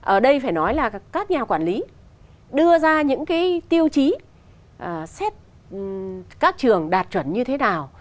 ở đây phải nói là các nhà quản lý đưa ra những cái tiêu chí xét các trường đạt chuẩn như thế nào